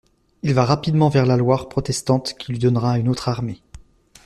Il va rapidement vers la Loire protestante, qui lui donnera une autre armée.